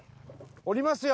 降りますよ！